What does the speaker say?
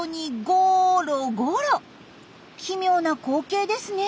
奇妙な光景ですね。